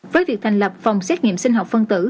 với việc thành lập phòng xét nghiệm sinh học phân tử